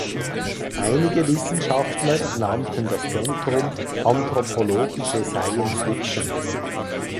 Einige Wissenschaftler nannten das Zentrum „anthropologische Science Fiction“.